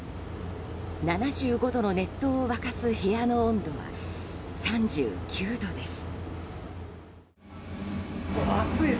７５度の熱湯を沸かす部屋の温度は３９度です。